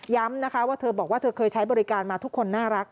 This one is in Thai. นะคะว่าเธอบอกว่าเธอเคยใช้บริการมาทุกคนน่ารัก